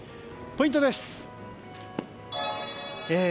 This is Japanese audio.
ポイントです。